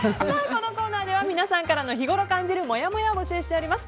このコーナーでは皆さんから日ごろ感じるもやもやを募集しております。